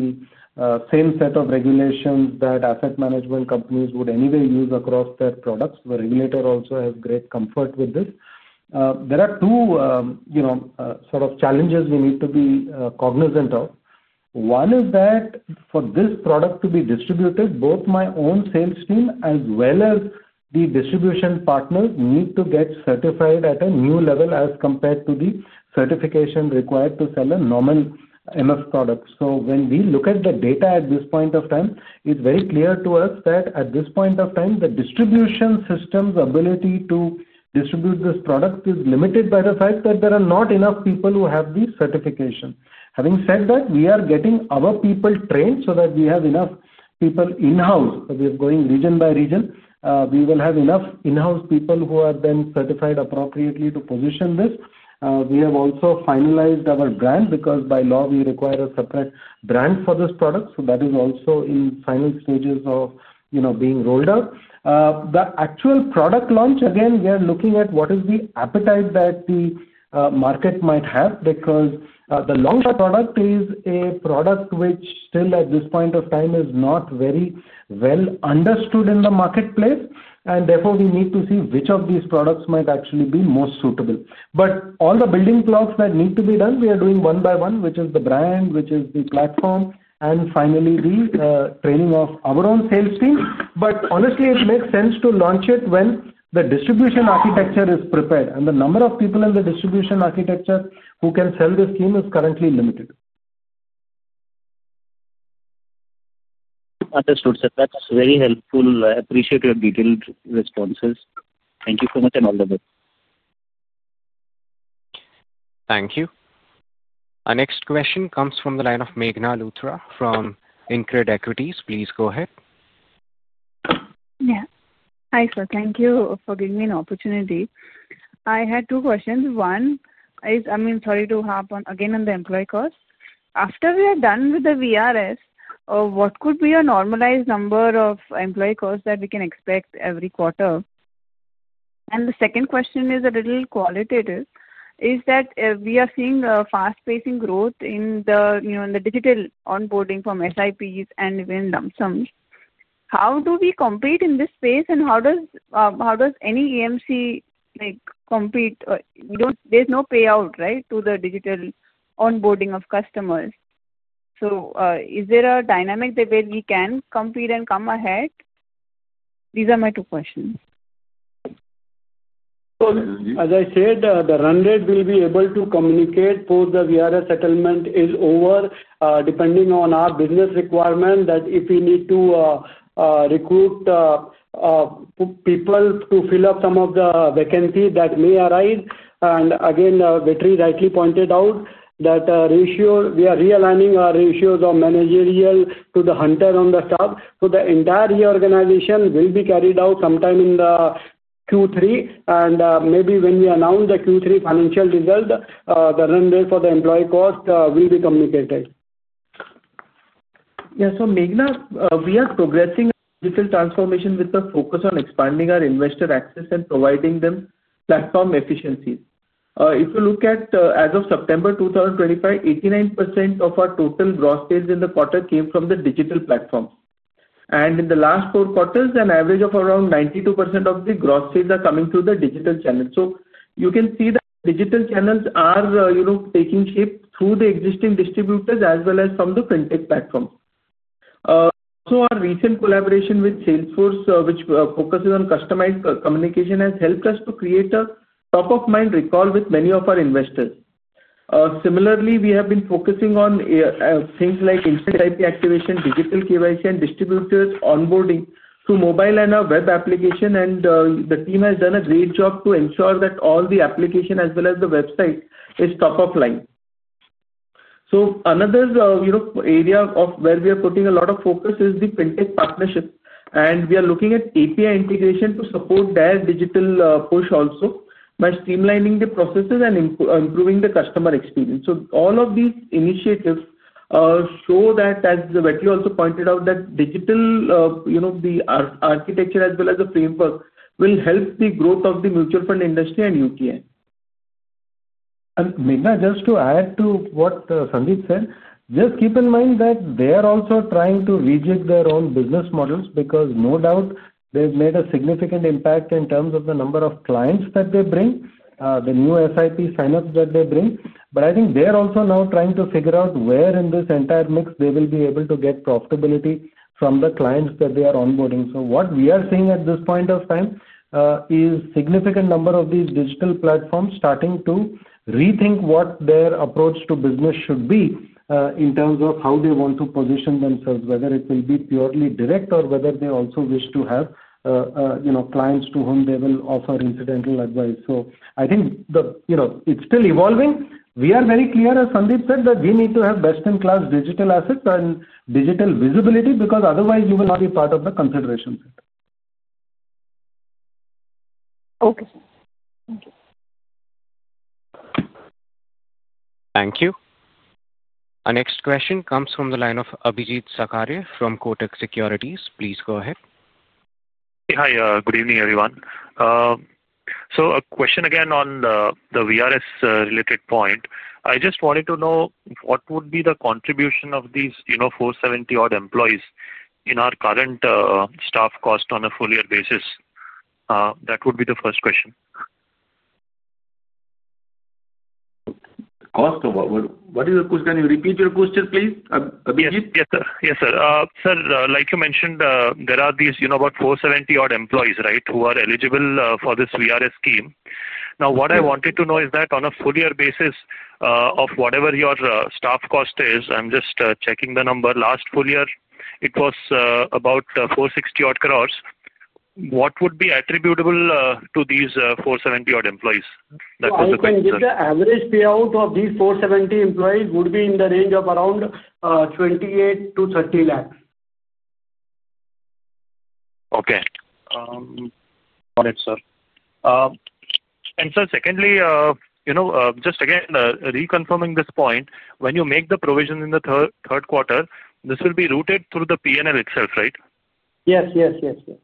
same set of regulations that asset management companies would anyway use across their products. The regulator also has great comfort with this. There are two, you know, sort of challenges we need to be cognizant of. One is that for this product to be distributed, both my own sales team as well as the distribution partners need to get certified at a new level as compared to the certification required to sell a normal mutual fund product. When we look at the data at this point of time, it's very clear to us that at this point of time, the distribution system's ability to distribute this product is limited by the fact that there are not enough people who have the certification. Having said that, we are getting our people trained so that we have enough people in-house. We are going region by region. We will have enough in-house people who are then certified appropriately to position this. We have also finalized our brand because by law, we require a separate brand for this product. That is also in the final stages of, you know, being rolled out. The actual product launch, again, we are looking at what is the appetite that the market might have because the launch product is a product which still at this point of time is not very well understood in the marketplace. Therefore, we need to see which of these products might actually be most suitable. All the building blocks that need to be done, we are doing one by one, which is the brand, which is the platform, and finally, the training of our own sales team. Honestly, it makes sense to launch it when the distribution architecture is prepared. The number of people in the distribution architecture who can sell this scheme is currently limited. Understood, sir. That's very helpful. I appreciate your detailed responses. Thank you so much and all the best. Thank you. Our next question comes from the line of Meghna Luthra from Incred Equities. Please go ahead. Yeah. Hi, sir. Thank you for giving me an opportunity. I had two questions. One, sorry to harp on again on the employee cost. After we are done with the VRS, what could be a normalized number of employee costs that we can expect every quarter? The second question is a little qualitative. We are seeing a fast-pacing growth in the digital onboarding from SIPs and even lump sums. How do we compete in this space, and how does any AMC compete? There's no payout, right, to the digital onboarding of customers. Is there a dynamic where we can compete and come ahead? These are my two questions. As I said, the run rate will be able to communicate for the Voluntary Retirement Scheme settlement is over, depending on our business requirement if we need to recruit people to fill up some of the vacancies that may arise. Vetri rightly pointed out that we are realigning our ratios of managerial to the hunter on the staff. The entire reorganization will be carried out sometime in Q3. Maybe when we announce the Q3 financial result, the run rate for the employee cost will be communicated. Meghna, we are progressing digital transformation with the focus on expanding our investor access and providing them platform efficiencies. If you look at as of September 2025, 89% of our total gross sales in the quarter came from the digital platforms. In the last four quarters, an average of around 92% of the gross sales are coming through the digital channels. You can see that digital channels are taking shape through the existing distributors as well as from the fintech platforms. Our recent collaboration with Salesforce, which focuses on customized communication, has helped us to create a top-of-mind recall with many of our investors. Similarly, we have been focusing on things like internet IP activation, digital KYC, and distributors onboarding through mobile and our web application. The team has done a great job to ensure that all the application as well as the website is top of line. Another area where we are putting a lot of focus is the fintech partnership. We are looking at API integration to support their digital push also by streamlining the processes and improving the customer experience. All of these initiatives show that, as Vetri also pointed out, the digital architecture as well as the framework will help the growth of the mutual fund industry and UTI. Meghna, just to add to what Sandeep said, just keep in mind that they are also trying to rejig their own business models because no doubt they've made a significant impact in terms of the number of clients that they bring, the new SIP signups that they bring. I think they are also now trying to figure out where in this entire mix they will be able to get profitability from the clients that they are onboarding. What we are seeing at this point of time is a significant number of these digital platforms starting to rethink what their approach to business should be in terms of how they want to position themselves, whether it will be purely direct or whether they also wish to have clients to whom they will offer incidental advice. I think it's still evolving. We are very clear, as Sandeep said, that we need to have best-in-class digital assets and digital visibility because otherwise, you will not be part of the consideration set. Okay. Thank you. Our next question comes from the line of Abhijit Sakary from Kotak Securities. Please go ahead. Hi. Good evening, everyone. A question again on the VRS-related point. I just wanted to know what would be the contribution of these, you know, 470-odd employees in our current staff cost on a full-year basis? That would be the first question. Cost of what? What is your question? Can you repeat your question, please, Abhijit? Yes, sir. Sir, like you mentioned, there are these, you know, about 470-odd employees, right, who are eligible for this VRS scheme. Now, what I wanted to know is that on a full-year basis of whatever your staff cost is, I'm just checking the number. Last full year, it was about 460-odd crores. What would be attributable to these 470-odd employees? That was the question. I think the average payout of these 470 employees would be in the range of around 2.8 to 3.0 million. Okay. Got it, sir. Sir, secondly, just again reconfirming this point, when you make the provision in the third quarter, this will be routed through the P&L itself, right? Yes, yes, yes, yes.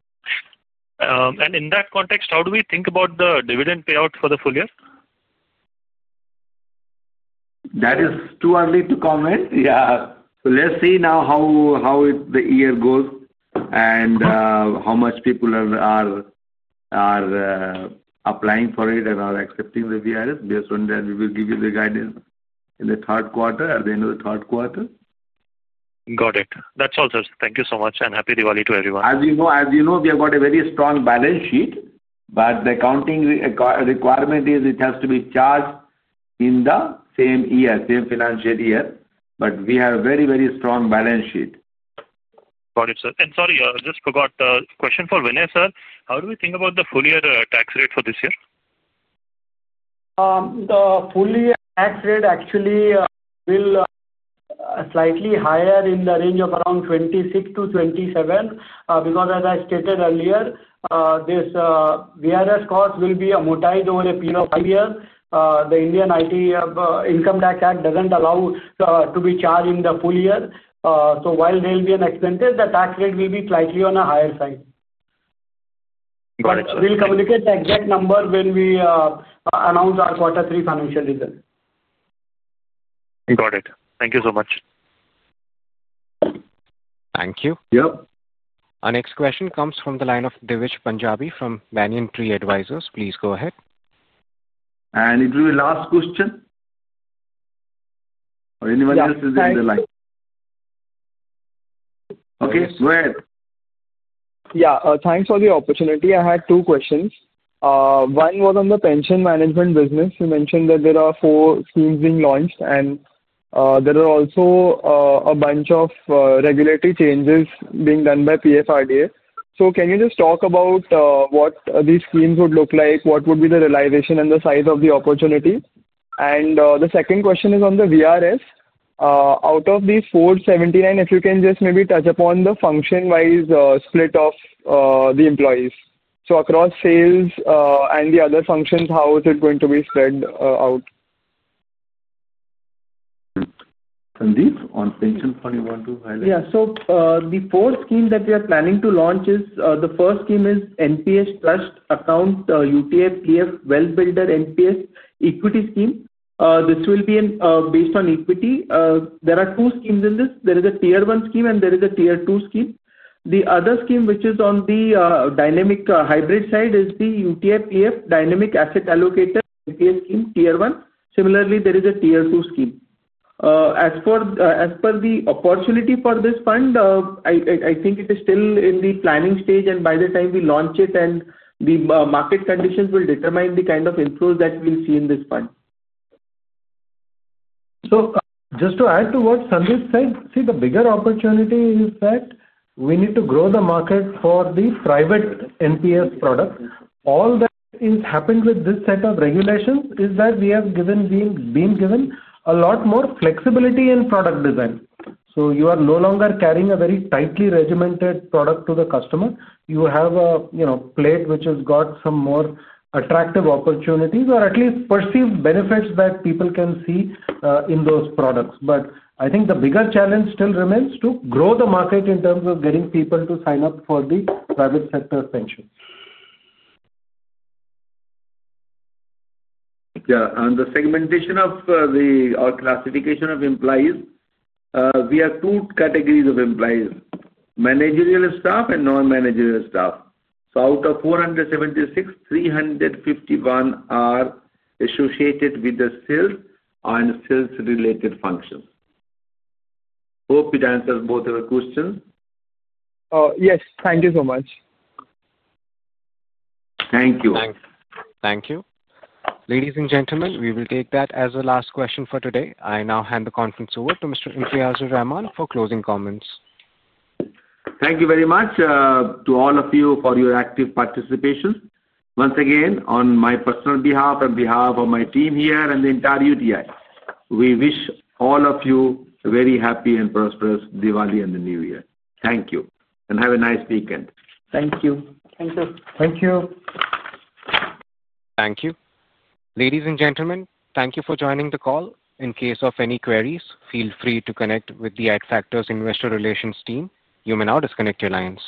In that context, how do we think about the dividend payout for the full year? That is too early to comment. Let's see now how the year goes and how much people are applying for it and are accepting the VRS. Based on that, we will give you the guidance in the third quarter at the end of the third quarter. Got it. That's all, sir. Thank you so much, and happy Diwali to everyone. As you know, we have got a very strong balance sheet. The accounting requirement is it has to be charged in the same year, same financial year. We have a very, very strong balance sheet. Got it, sir. Sorry, I just forgot the question for Vinay, sir. How do we think about the full-year tax rate for this year? The full-year tax rate actually will be slightly higher in the range of around 26% to 27% because, as I stated earlier, this Voluntary Retirement Scheme cost will be amortized over a period of five years. The Indian Income Tax Act doesn't allow it to be charged in the full year. While there will be an expense, the tax rate will be slightly on a higher side. Got it, sir. We'll communicate the exact number when we announce our quarter three financial results. Got it. Thank you so much. Thank you. Yep. Our next question comes from the line of Devish Punjabi from Banyan Tree Advisors. Please go ahead. Will it be the last question? Is anyone else in the line? Okay, go ahead. Yeah. Thanks for the opportunity. I had two questions. One was on the pension management business. You mentioned that there are four schemes being launched, and there are also a bunch of regulatory changes being done by PFRDA. Can you just talk about what these schemes would look like, what would be the realization and the size of the opportunity? The second question is on the VRS. Out of these 479, if you can just maybe touch upon the function-wise split of the employees. Across sales and the other functions, how is it going to be spread out? Sandeep, on pension, do you want to highlight? Yeah. The fourth scheme that we are planning to launch is the first scheme, NPS Trust Account UTI PF Wealth Builder NPS Equity Scheme. This will be based on equity. There are two schemes in this. There is a Tier 1 scheme and there is a Tier 2 scheme. The other scheme, which is on the dynamic hybrid side, is the UTI PF Dynamic Asset Allocator NPS Scheme Tier 1. Similarly, there is a Tier 2 scheme. As for the opportunity for this fund, I think it is still in the planning stage, and by the time we launch it, the market conditions will determine the kind of inflows that we'll see in this fund. To add to what Sandeep said, the bigger opportunity is that we need to grow the market for the private NPS product. All that has happened with this set of regulations is that we have been given a lot more flexibility in product design. You are no longer carrying a very tightly regimented product to the customer. You have a plate which has got some more attractive opportunities or at least perceived benefits that people can see in those products. I think the bigger challenge still remains to grow the market in terms of getting people to sign up for the private sector pension. Yeah. On the segmentation of the classification of employees, we have two categories of employees: managerial staff and non-managerial staff. Out of 476, 351 are associated with the sales and sales-related functions. Hope it answers both of your questions. Yes, thank you so much. Thank you. Thanks. Thank you. Ladies and gentlemen, we will take that as the last question for today. I now hand the conference over to Mr. Imtaiyazur Rahman for closing comments. Thank you very much to all of you for your active participation. Once again, on my personal behalf and behalf of my team here and the entire UTI, we wish all of you a very happy and prosperous Diwali and the New Year. Thank you and have a nice weekend. Thank you. Thank you. Thank you. Thank you. Ladies and gentlemen, thank you for joining the call. In case of any queries, feel free to connect with the UTI Asset Management Company Investor Relations team. You may now disconnect your lines.